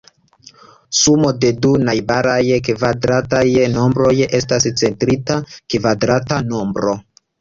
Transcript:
Sumo de du najbaraj kvadrataj nombroj estas centrita kvadrata nombro.